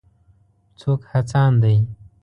څوک هڅاند دی.